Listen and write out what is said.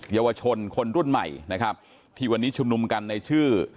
เยาวชนคนรุ่นใหม่นะครับที่วันนี้ชุมนุมกันในชื่อ